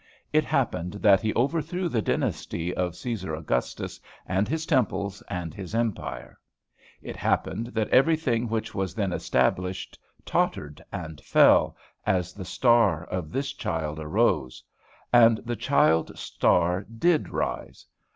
It happened that he overthrew the dynasty of Cæsar Augustus, and his temples, and his empire. It happened that everything which was then established tottered and fell, as the star of this child arose. And the child's star did rise.